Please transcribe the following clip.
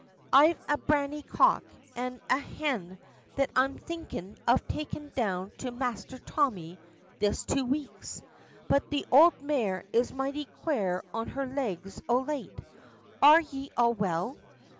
I've a Brammy cock and a hen that I'm thinkin' of takin' down to Masther Tommy this two weeks, but the ould mare is mighty quare on her legs o' late. Are ye all well?"